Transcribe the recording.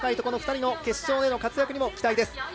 この２人の決勝での活躍にも期待です。